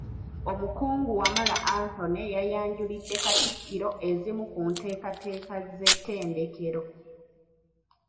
Omukungu Wamala Anthony yayanjulidde Katikkiro ezimu ku nteekateeka z’ettendekero.